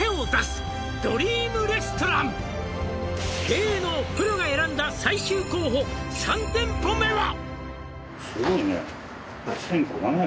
「経営のプロが選んだ最終候補」「３店舗目は」